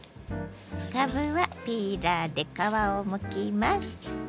かぶはピーラーで皮をむきます。